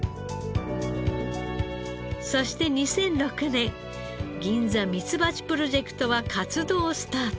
そして２００６年銀座ミツバチプロジェクトは活動スタート。